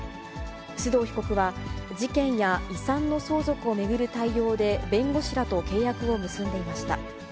須藤被告は、事件や遺産の相続を巡る対応で、弁護士らと契約を結んでいました。